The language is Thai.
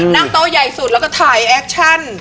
นั่งโต๊ะใหญ่สุดแล้วก็ถ่ายแอคชั่น